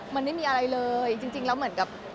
มันไม่มีอะไรเลยจริงแล้วเหมือนกับ